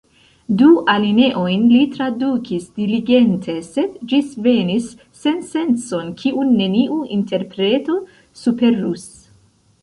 Du alineojn li tradukis diligente, sed ĝisvenis sensencon kiun neniu interpreto superus.